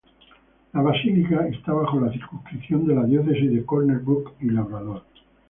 La basílica está bajo la circunscripción de la Diócesis de Corner Brook y Labrador.